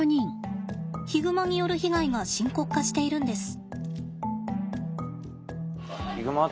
ヒグマによる被害が深刻化しているんです。